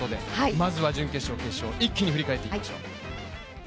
まずは準決勝、決勝、一気に振り返っていきましょう。